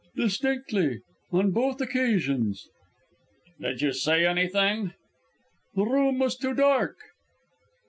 "Distinctly; on both occasions." "Did you see anything?" "The room was too dark."